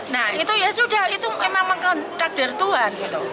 nah itu ya sudah itu memang takdir tuhan gitu